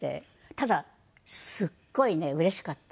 ただすっごいねうれしかった。